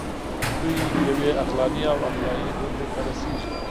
دوی یوې عقلاني او عقلایي هوکړې ته رسیږي.